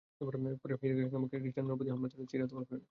পরে হিরাক্লিয়াস নামক এক খ্রিষ্টান নরপতি হামলা চালিয়ে সিরিয়া দখল করে নেয়।